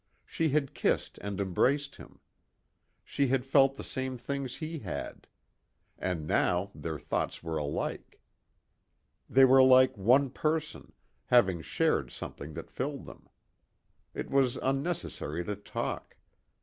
She had kissed and embraced him. She had felt the same things he had. And now, their thoughts were alike. They were like one person, having shared something that filled them. It was unnecessary to talk.